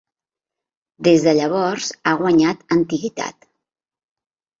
Des de llavors ha guanyat antiguitat.